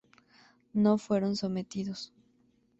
No fueron sometidos.